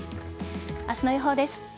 明日の予報です。